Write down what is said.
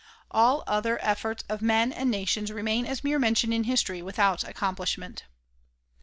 All other efiforts of men and nations remain as mere mention in history, without accomplishment.